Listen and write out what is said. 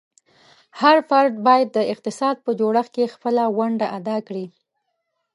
هر فرد باید د اقتصاد په جوړښت کې خپله ونډه ادا کړي.